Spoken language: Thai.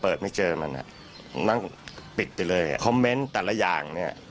เปิดไม่เจอมันอ่ะนั่นปิดไปเลยคอมเมนต์ตัดแหล่ะอย่าง